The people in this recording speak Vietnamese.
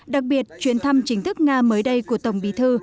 đặc biệt chuyến thăm chính thức nga mới đây của tổng bí thư